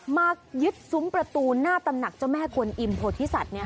มายึดซุ้มประตูหน้าตำหนักเจ้าแม่กวนอิมโพธิสัตว์